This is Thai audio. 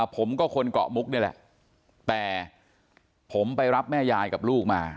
ผมก็คนเกาะมุกนี่แหละแต่ผมไปรับแม่ยายกับลูกมา